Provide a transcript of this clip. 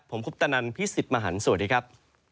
ผมคุปตณพี่สิตมหันฐ์สวัสดีครับ